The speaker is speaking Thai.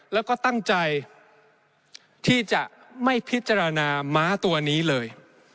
แล้วก็ตั้งใจที่จะไม่พิจารณาม้าตัวนี้เลย